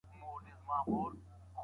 هغه به د خپلي ميرمني خوی بد نه ګڼي.